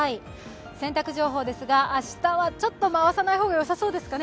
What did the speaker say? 洗濯情報ですが、明日は回さない方がよさそうですかね？